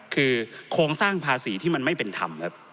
คือโครงสร้างภาษีที่มันไม่เป็นธรรมครับ